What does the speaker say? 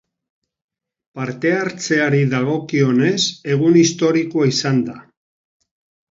Parte-hartzeari dagokionez, egun historikoa izan da.